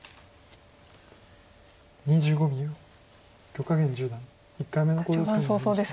許家元十段１回目の考慮時間に入りました。